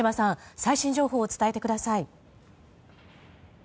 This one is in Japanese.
最新情報を伝えてください。